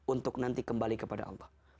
untuk nanti kembali kepada allah